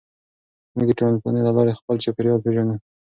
موږ د ټولنپوهنې له لارې خپل چاپېریال پېژنو.